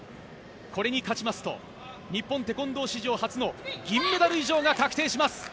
これに勝ちますと日本テコンドー史上初の銀メダル以上が確定します。